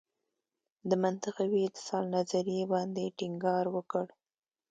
د منطقوي اتصال نظریې باندې ټینګار وکړ.